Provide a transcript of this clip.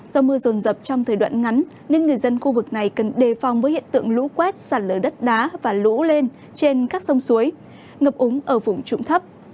do mưa rồn rập trong thời đoạn ngắn nên người dân khu vực này cần đề phòng với hiện tượng lũ quét sạt lở đất đá và lũ lên trên các sông suối ngập úng ở vùng trụng thấp